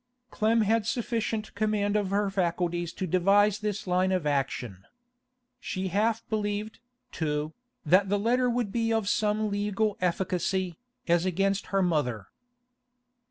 Clem had sufficient command of her faculties to devise this line of action. She half believed, too, that the letter would be of some legal efficacy, as against her mother.